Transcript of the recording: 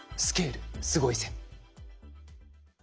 「スケールすごいぜ」。